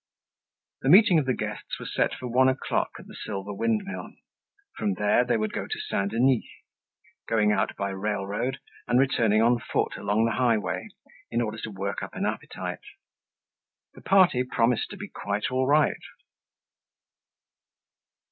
The meeting of the guests was set for one o'clock at the Silver Windmill. From there, they would go to Saint Denis, going out by railroad and returning on foot along the highway in order to work up an appetite. The party promised to be quite all right.